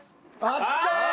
あった！